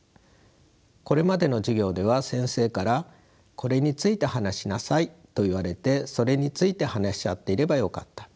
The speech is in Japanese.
これまでの授業では先生からこれについて話しなさいと言われてそれについて話し合っていればよかった。